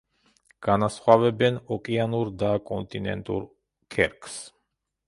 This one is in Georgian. განასხვავებენ ოკეანურ და კონტინენტურ ქერქს.